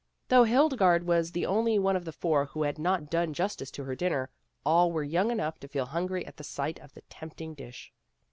Though Hildegarde was the only one of the four who had not done justice to her dinner, all were young enough to feel hungry at the sight of the tempting dish.